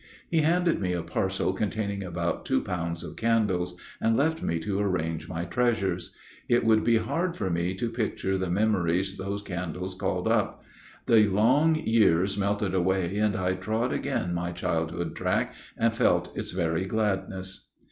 He handed me a parcel containing about two pounds of candles, and left me to arrange my treasures. It would be hard for me to picture the memories those candles called up. The long years melted away, and I Trod again my childhood's track, And felt its very gladness.